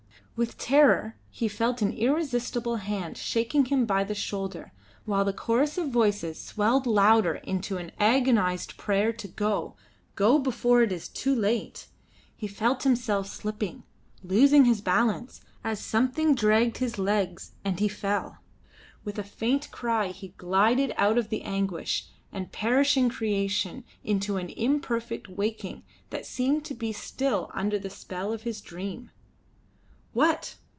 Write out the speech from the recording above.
With terror he felt an irresistible hand shaking him by the shoulder, while the chorus of voices swelled louder into an agonised prayer to go, go before it is too late. He felt himself slipping, losing his balance, as something dragged at his legs, and he fell. With a faint cry he glided out of the anguish of perishing creation into an imperfect waking that seemed to be still under the spell of his dream. "What?